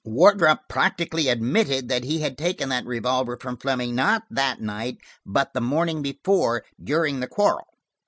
Wardrop practically admitted that he had taken that revolver from Fleming, not that night, but the morning before, during the quarrel."